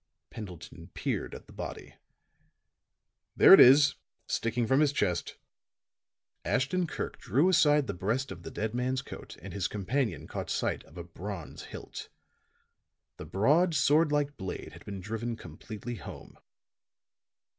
Pendleton peered at the body. "There it is, sticking from his chest." Ashton Kirk drew aside the breast of the dead man's coat and his companion caught sight of a bronze hilt. The broad, sword like blade had been driven completely home.